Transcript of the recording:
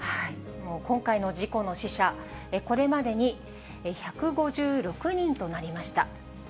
今回の事故の死者、これまでに１５６人となりました。